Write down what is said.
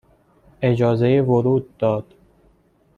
اجازه ورود داد